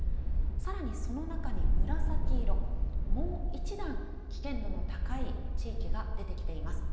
さらにその中に紫色、もう一段危険度の高い地域が出てきています。